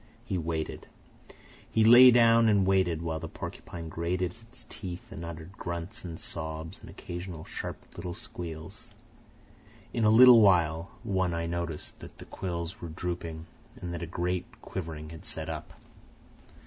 He waited. He lay down and waited, while the porcupine grated its teeth and uttered grunts and sobs and occasional sharp little squeals. In a little while, One Eye noticed that the quills were drooping and that a great quivering had set up.